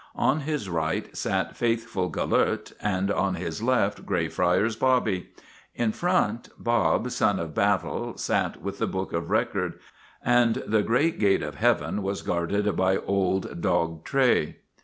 On his right sat faithful Gelert, and on his left Greyfriars Bobby. In front, Bob, Son oi Battle, sat with the Book of Record, and great gate of Heaven was guarded by Old Dog Tray.